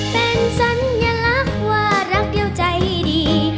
เป็นสัญลักษณ์ว่ารักเดียวใจดี